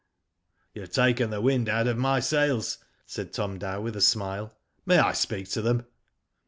'*" You've taken the wind out of my sails," said Tom Dow, with a smile. "May I speak to them?"